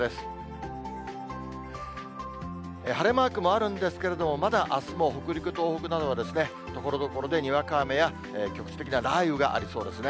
晴れマークもあるんですけれども、まだあすも北陸、東北などは、ところどころでにわか雨や、局地的な雷雨がありそうですね。